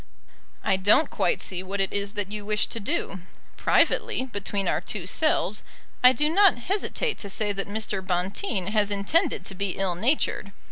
I don't quite see what it is that you wish to do. Privately, between our two selves, I do not hesitate to say that Mr. Bonteen has intended to be ill natured.